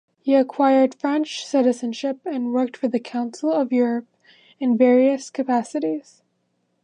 He acquired French citizenship and worked for the Council of Europe in various capacities.